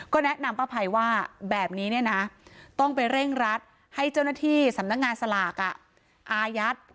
ก็แนะนำป้าภัยว่าแบบนี้เนี่ยนะต้องไปเร่งรัดให้เจ้าหน้าที่สำนักงานสลากอายัด